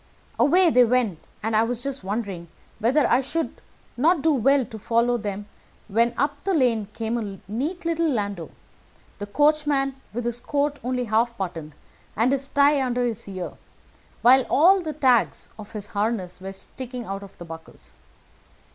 "Away they went, and I was just wondering whether I should not do well to follow them, when up the lane came a neat little landau, the coachman with his coat only half buttoned, and his tie under his ear, while all the tags of his harness were sticking out of the buckles.